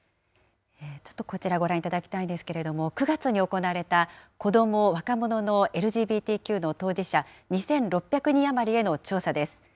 ちょっとこちら、ご覧いただきたいんですけれども、９月に行われた子ども・若者のＬＧＢＴＱの当事者２６００人余りへの調査です。